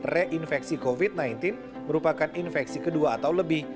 reinfeksi covid sembilan belas merupakan infeksi kedua atau lebih